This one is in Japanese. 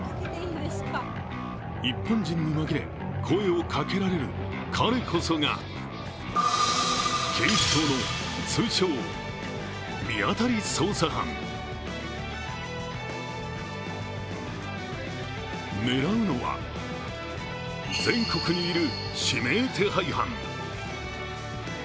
一般人に紛れ、声をかけられる彼こそが警視庁の通称、見当たり捜査班。狙うのは全国にいる指名手配犯。